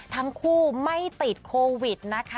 ทั้งคู่ไม่ติดโควิดนะคะ